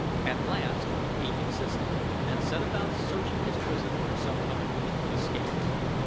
At last he desisted and set about searching his prison for some other means of escape.